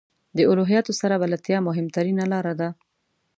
له الهیاتو سره بلدتیا مهمترینه لاره ده.